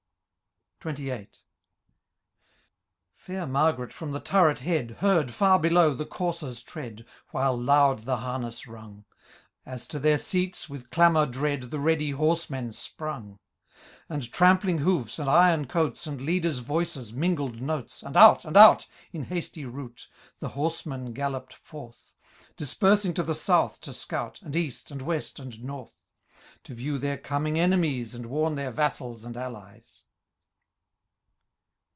XXVIIL Fair Margaret, from the turret head. Heard, far below, the coursers^ tread. While loud the harness rung. As to their seats, with clamour dread, Tlie ready horsemen sprung : And trampb'ng hoofs, and iron ooats. And leaders* voices, mingled notes. And out ! and out ! In hasty route. The horsemen gallopM forth ; Dispersing to the south to scout. And east, and west, and north. To view their coming enemies, And warn their vassals and allies.